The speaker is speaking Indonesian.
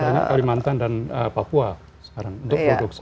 jadi banyak kalimantan dan papua sekarang untuk produksi